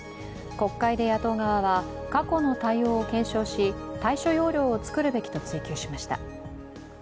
国会で野党側は過去の対応を検証し対処要領を作るべきと追及しました。